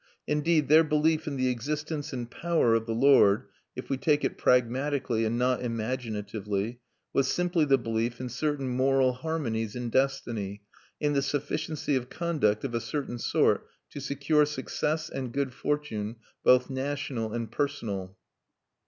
Indeed, their belief in the existence and power of the Lord, if we take it pragmatically and not imaginatively, was simply the belief in certain moral harmonies in destiny, in the sufficiency of conduct of a certain sort to secure success and good fortune, both national and personal.